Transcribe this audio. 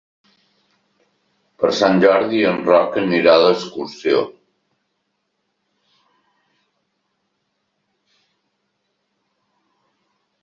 Per Sant Jordi en Roc anirà d'excursió.